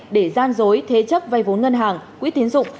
để gian dối thế chấp vay vốn ngân hàng quỹ tiến dụng